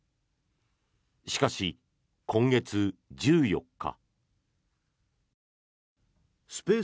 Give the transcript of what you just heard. しかし、今月１４日。